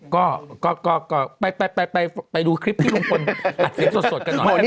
ก็ไปดูคลิปที่ลุงพลอัดคลิปสดกันหน่อย